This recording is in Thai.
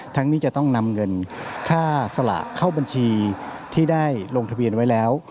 นี้จะต้องนำเงินค่าสละเข้าบัญชีที่ได้ลงทะเบียนไว้แล้ว